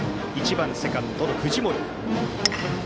１番セカンドの藤森。